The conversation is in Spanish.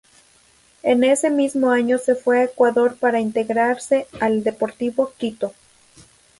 En ese mismo año se fue a Ecuador para integrarse al Deportivo Quito.